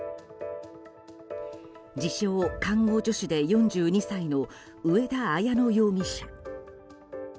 自称看護助手で４２歳の上田綾乃容疑者。